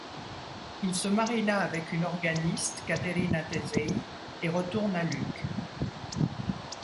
Il se marie là avec une organiste Caterina Tesei et retourne à Lucques.